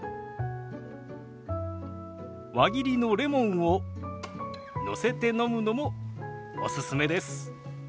輪切りのレモンをのせて飲むのもおすすめです。